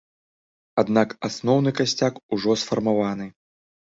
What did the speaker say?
Аднак асноўны касцяк ужо сфармаваны.